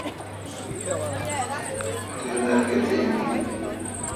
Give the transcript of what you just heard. تی عمر کیتیک این۔